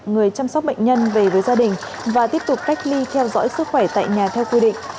người chăm sóc bệnh nhân về với gia đình và tiếp tục cách ly theo dõi sức khỏe tại nhà theo quy định